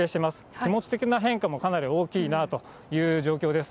気持ち的な変化もかなり大きいなという状況です。